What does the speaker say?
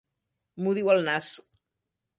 M'ho diu el nas.